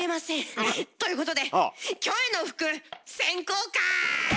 あら。ということでキョエの服選考会！